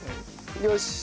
よし。